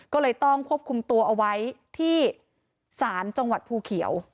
ก็เลยต้องควบคุมตัวเอาไว้ที่ศาลจังหวัดภูเขียว